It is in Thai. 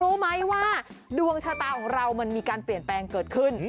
รู้ไหมว่าดวงชะตาของเรามันมีการเปลี่ยนแปลงเกิดขึ้น